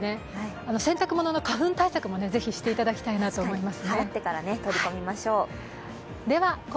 洗濯物の花粉対策も、ぜひしていただきたいと思います。